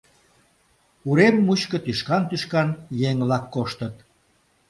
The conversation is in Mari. Урем мучко тӱшкан-тӱшкан еҥ-влак коштыт.